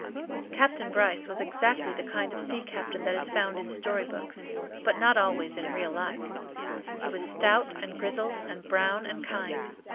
Captain Bryce was exactly the kind of sea captain that is found in story books, but not always in real life. He was stout and grizzled and brown and kind.